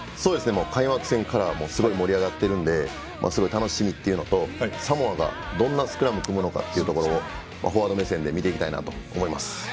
開幕戦からすごい盛り上がってるんですごい楽しみっていうのとサモアがどんなスクラムを組むのかフォワード目線で見ていきたいなと思います。